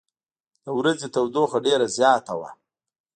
د ورځې تودوخه ډېره زیاته وه.